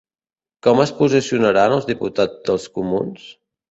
Com es posicionaran els diputats dels Comuns?